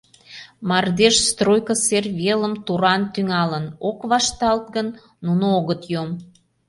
Мардеж, стройко сер велым туран тӱҥалын, ок вашталт гын, нуно огыт йом.